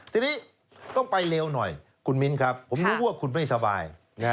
ทีนี้ต้องไปเร็วหน่อยคุณมิ้นครับผมรู้ว่าคุณไม่สบาย